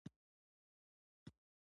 افغانستان د پامیر له پلوه متنوع دی.